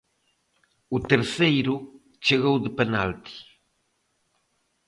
O terceiro chegou de penalti.